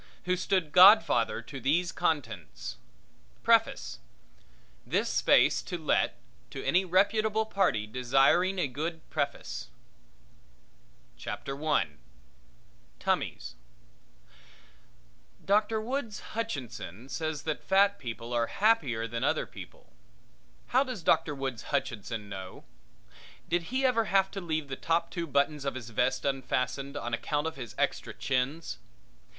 Who stood godfather to these contents Preface This Space To Let to Any Reputable Party Desiring a Good Preface Contents I. Tummies II. Teeth III. Hair IV. Hands and feet TUMMIES Dr. Woods Hutchinson says that fat people are happier than other people. How does Dr. Woods Hutchinson know? Did he ever have to leave the two top buttons of his vest unfastened on account of his extra chins?